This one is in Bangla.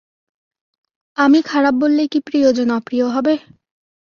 আমি খারাপ বললেই কি প্রিয়জন অপ্রিয় হবে?